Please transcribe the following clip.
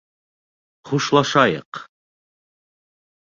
Хушлашайыҡ